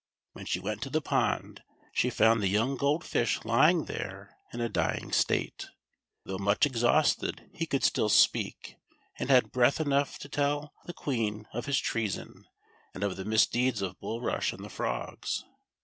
When she went to the pond, she found the j'oung Gold Fish lying there in a d\ ing state. Though much exhausted, he could still speak, and had breath enough left to tell the Queen of his treason, and of the misdeeds of Bulrush and the frogs.